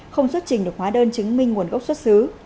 không xuất trình được hóa đơn chứng minh nguồn gốc xuất xứ